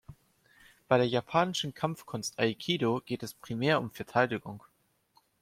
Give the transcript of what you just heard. Bei der japanischen Kampfkunst Aikido geht es primär um Verteidigung.